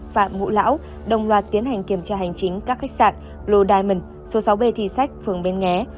phạm ngũ lão đồng loạt tiến hành kiểm tra hành chính các khách sạn lo diamond số sáu b thì thi sách phường bến nghé